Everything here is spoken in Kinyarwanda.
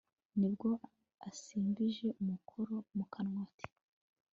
Nibwo asimbije amukora mukanwa ati